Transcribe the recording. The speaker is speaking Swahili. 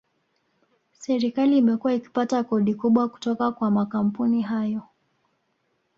Serikali imekuwa ikipata kodi kubwa kutoka kwa makampuni hayo